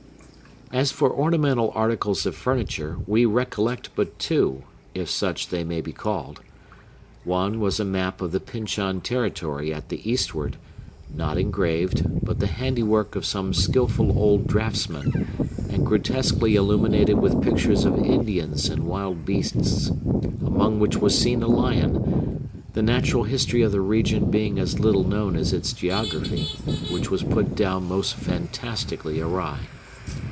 As for ornamental articles of furniture, we recollect but two, if such they may be called. One was a map of the Pyncheon territory at the eastward, not engraved, but the handiwork of some skilful old draughtsman, and grotesquely illuminated with pictures of Indians and wild beasts, among which was seen a lion; the natural history of the region being as little known as its geography, which was put down most fantastically awry.